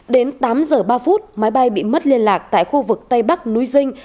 đến tám giờ ba phút máy bay bị mất liên lạc tại khu vực tây bắc núi dinh